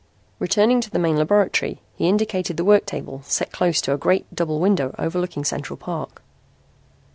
Returning to the main laboratory he indicated the work table set close to a great double window overlooking Central Park.